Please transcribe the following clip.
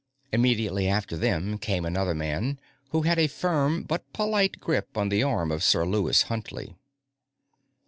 Immediately after them came another man who had a firm, but polite grip on the arm of Sir Lewis Huntley.